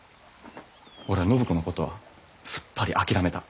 俺は暢子のことはすっぱり諦めた。